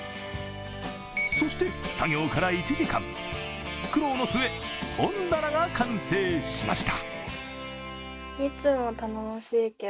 そして作業から１時間、苦労の末、本棚が完成しました。